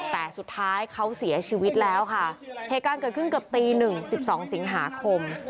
แต่สุดท้ายเขาเสียชีวิตแล้วค่ะเหตุการณ์เกิดขึ้นเกือบตีหนึ่งสิบสองสิงหาคม